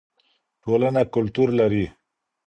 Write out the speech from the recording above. ټولنه کلتور لري.